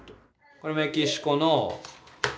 これメキシコの。